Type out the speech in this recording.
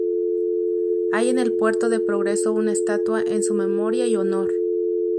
Hay en el puerto de Progreso una estatua en su memoria y honor.